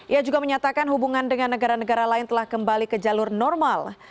ia juga menyatakan hubungan dengan negara negara lain telah kembali ke jalur normal